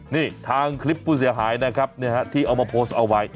นี่ทางคลิปผู้เสียหายนะครับที่เอามาโพสต์เอาไว้